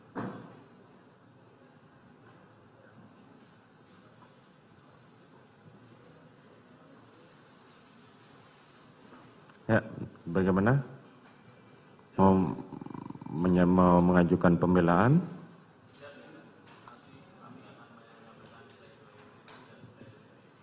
nanti kami akan mengambil alih saya